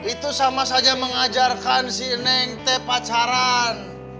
itu sama saja mengajarkan si nengte pacaran